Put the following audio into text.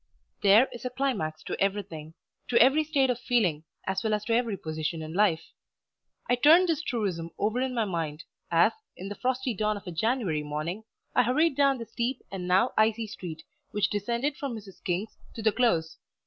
THERE is a climax to everything, to every state of feeling as well as to every position in life. I turned this truism over in my mind as, in the frosty dawn of a January morning, I hurried down the steep and now icy street which descended from Mrs. King's to the Close.